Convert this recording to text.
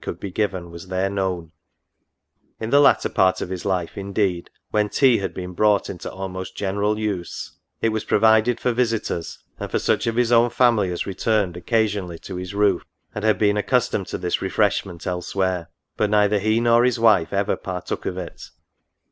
could be given was there known ; in the latter part of his life, indeed, when tea had been brought into almost general use, it was provided for visitors, and for such of his own fa mily as returned occasionally to his roof, and had been accustomed to this refreshment elsewhere ; but neither he nor his wife ever partook of it.